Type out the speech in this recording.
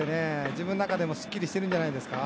自分の中でもすっきりしてるんじゃないですか。